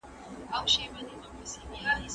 علامه رشاد یو لوی محقق وو چې نوم یې تل پاتې دی.